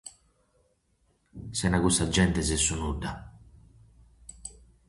Sena cussa gente ses su nudda.